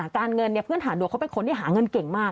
การเงินเนี่ยเพื่อนฐานดวงเขาเป็นคนที่หาเงินเก่งมาก